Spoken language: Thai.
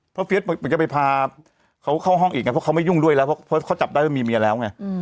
เพราะเฟียสเหมือนจะไปพาเขาเข้าห้องอีกไงเพราะเขาไม่ยุ่งด้วยแล้วเพราะเขาจับได้ว่ามีเมียแล้วไง